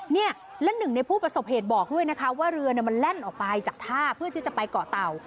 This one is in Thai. เนี่ยและหนึ่งในผู้ประสบเหตุบอกด้วยนะคะว่าเรือมันแล่นออกไปจากท่าเพื่อที่จะไปเกาะเต่า